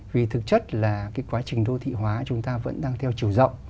vì thực chất là cái quá trình đô thị hóa chúng ta vẫn đang theo chiều rộng